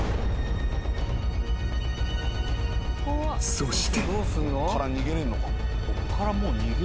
［そして］